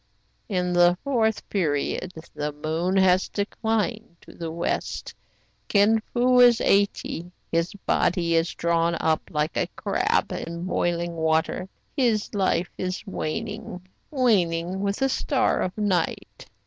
"In the fourth period the moon has declined to the west. Kin Fo is eighty. His body is drawn up like a crab in THE CELEBRATED LAMENT 143 boiling water. His life is waning, — waning with the star of night.